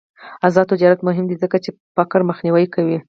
آزاد تجارت مهم دی ځکه چې فقر مخنیوی کوي.